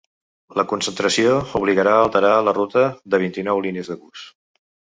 La concentració obligarà a alterar la ruta de vint-i-nou línies de bus.